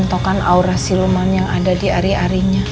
bue siapa dia